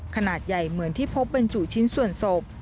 ขนาดใหญ่เหมือนที่พบบรรจุชิ้นส่วนศพ